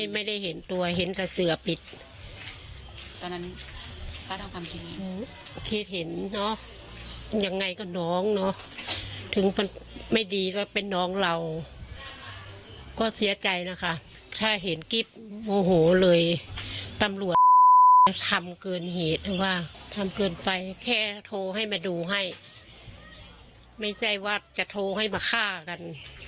ไม่ใช่ว่าจะโทรให้มาดูให้ไม่ใช่ว่าจะโทรให้มาฆ่ากัน